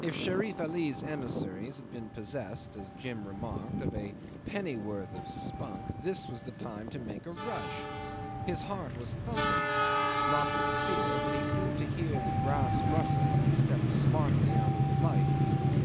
If Sherif Ali's emissaries had been possessed as Jim remarked of a pennyworth of spunk, this was the time to make a rush. His heart was thumping not with fear but he seemed to hear the grass rustle, and he stepped smartly out of the light.